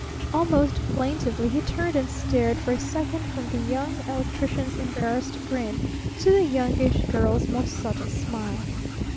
Almost plaintively he turned and stared for a second from the Young Electrician's embarrassed grin to the Youngish Girl's more subtle smile.